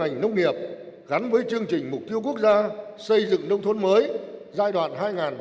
công nghiệp gắn với chương trình mục tiêu quốc gia xây dựng nông thôn mới giai đoạn hai nghìn một mươi một hai nghìn hai mươi